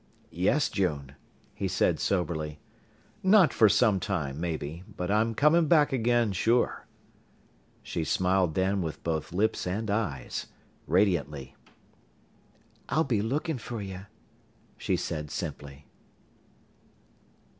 "Yes, June," he said soberly. "Not for some time, maybe but I'm coming back again, sure." She smiled then with both lips and eyes radiantly. "I'll be lookin' fer ye," she said simply.